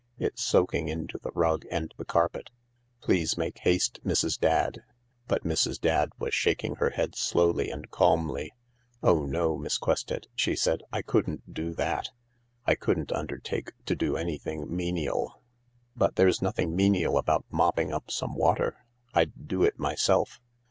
It's soaking into the rug and the carpet. Please make haste, Mrs. Dadd." But Mrs. Dadd was shaking her head slowly and calmly. " Oh no, Mass Quested," she said, " I couldn't do that. I couldn't undertake to do anything menial." "But there's nothing menial about mopping up some water. I'd do it myself."